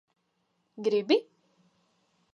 Gribi?